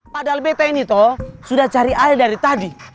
padahal bete ini tuh sudah cari ale dari tadi